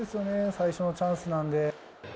最初のチャンスなんで。